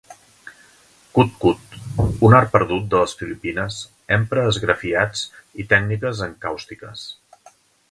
Kut-kut, un art perdut de les Filipines, empra esgrafiats i tècniques encàustiques.